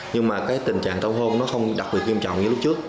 nhưng mà cái tình trạng tàu hôn nó không đặc biệt nghiêm trọng như lúc trước